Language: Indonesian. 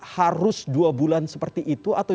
harus dua bulan seperti itu atau